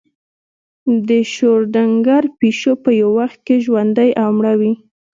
د شروډنګر پیشو په یو وخت کې ژوندۍ او مړه وي.